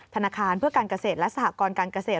ธนาคารเพื่อการเกษตรและสหกรการเกษตร